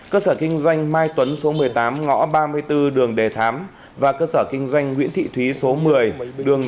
cơ sở kinh doanh mai tuấn số một mươi tám ngõ ba mươi bốn đường đề thám và cơ sở kinh doanh nguyễn thị thúy số một mươi đường